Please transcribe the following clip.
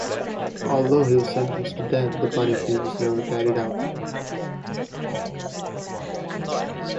Although he was sentenced to death, the punishment was never carried out.